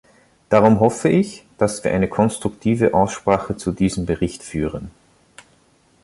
Darum hoffe ich, dass wir eine konstruktive Aussprache zu diesem Bericht führen.